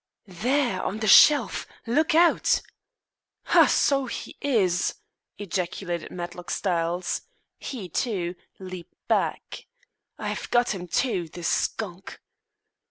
"There on the shelf! Look out!" "Ha! So he is!" ejaculated Matlock Styles. He, too, leaped back. "I've got him, too, the skunk!"